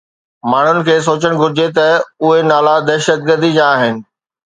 ماڻهن کي سوچڻ گهرجي ته اهي نالا دهشتگردي جا آهن